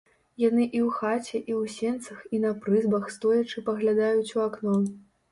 Яны і ў хаце, і ў сенцах, і на прызбах стоячы паглядаюць у акно.